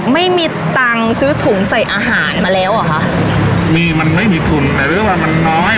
ไม่มีตังค์ซื้อถุงใส่อาหารมาแล้วเหรอคะมีมันไม่มีทุนแต่เรื่องราวมันน้อย